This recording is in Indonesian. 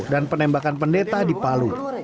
dan penembakan pendeta di palu